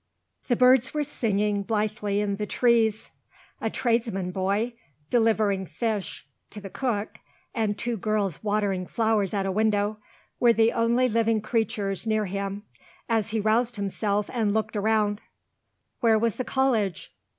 The birds were singing blithely in the trees. A tradesman's boy, delivering fish to the cook, and two girls watering flowers at a window, were the only living creatures near him, as he roused himself and looked around. Where was the College?